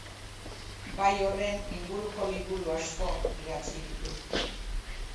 Gai horren inguruko liburu asko idatzi ditu.